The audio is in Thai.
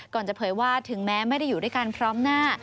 จะเผยว่าถึงแม้ไม่ได้อยู่ด้วยกันพร้อมหน้า